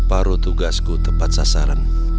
paru tugasku tepat sasaran